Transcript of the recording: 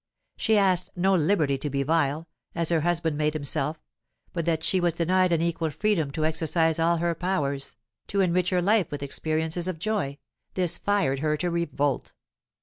She asked no liberty to be vile, as her husband made himself; but that she was denied an equal freedom to exercise all her powers, to enrich her life with experiences of joy, this fired her to revolt.